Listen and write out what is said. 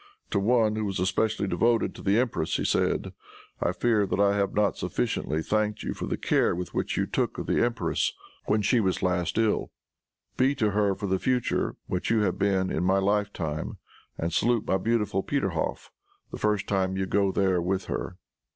To one, who was especially devoted to the empress, he said, "I fear that I have not sufficiently thanked you for the care which you took of the empress when she was last ill. Be to her for the future what you have been in my life time, and salute my beautiful Peterhoff, the first time you go there with her."